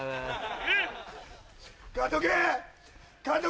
監督！